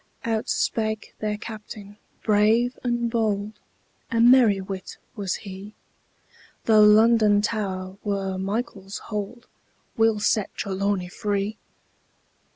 Out spake their Captain brave and bold: A merry wight was he: Though London Tower were Michael's hold, We'll set Trelawny free!